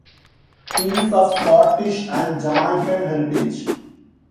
He is of Scottish and Jamaican heritage.